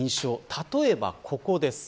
例えばここです。